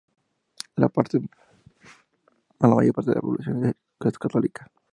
La mayor parte de la población es católica.